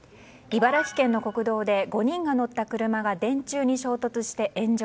茨城県の国道で５人が乗った車が電柱に衝突して炎上。